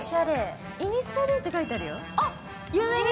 イニスフリーって書いてあるよ。